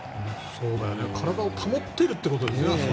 体を保てるということですよね。